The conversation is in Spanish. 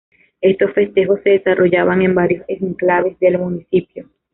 Estos festejos se desarrollaban en varios enclaves del municipio.